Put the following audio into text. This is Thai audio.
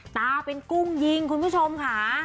ตาเป็นกุ้งยิงคุณผู้ชมค่ะ